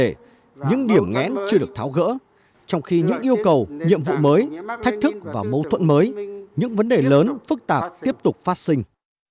những vấn đề những điểm nghén chưa được tháo gỡ trong khi những yêu cầu nhiệm vụ mới thách thức và mâu thuẫn mới những vấn đề lớn phức tạp tiếp tục phát sinh